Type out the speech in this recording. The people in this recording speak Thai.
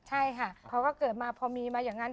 ใช่ค่ะเขาก็เกิดมาพอมีมาอย่างนั้น